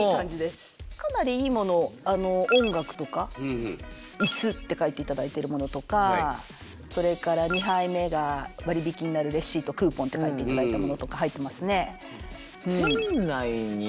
かなりいいものをあの音楽とかイスって書いていただいてるものとかそれから２杯目が割引きになるレシートクーポンって書いていただいたものとか入ってますね。